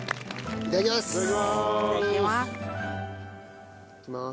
いただきます。